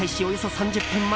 およそ３０分